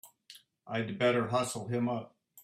I'd better hustle him up!